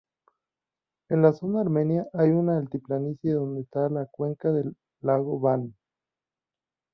En la zona armenia hay una altiplanicie donde está la cuenca del lago Van.